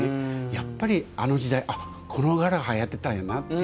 やっぱりあの時代この柄がはやってたんやなって